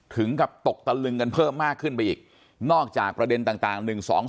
ถึงกับตกตะลึงกันเพิ่มมากขึ้นไปอีกนอกจากประเด็นต่าง๑๒๒